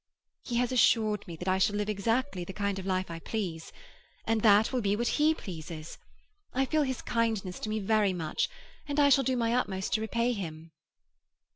"He has assured me that I shall live exactly the kind of life I please. And that will be what he pleases. I feel his kindness to me very much, and I shall do my utmost to repay him."